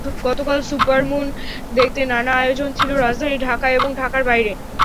গতকাল সুপারমুন দেখতে নানা আয়োজন ছিল রাজধানী ঢাকা এবং ঢাকার বাইরে।